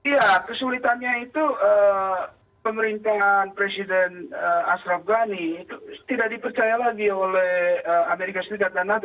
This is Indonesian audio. ya kesulitannya itu pemerintahan presiden ashraf ghani itu tidak dipercaya lagi oleh amerika serikat dan nato